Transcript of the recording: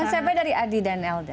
smp dari adi dan elda